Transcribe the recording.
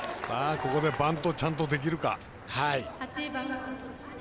ここでバントをちゃんとできるか。